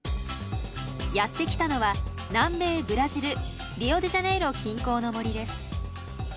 やって来たのは南米ブラジルリオデジャネイロ近郊の森です。